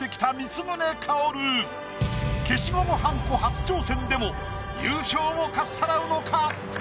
消しゴムはんこ初挑戦でも優勝をかっさらうのか？